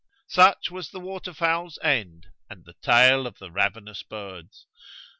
Such was the waterfowl's end and the tale of the ravenous birds.